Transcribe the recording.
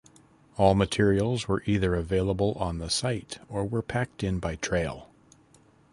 All materials were either available on the site or were packed in by trail.